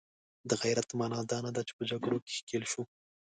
د غیرت معنا دا نه ده چې په جګړو کې ښکیل شو.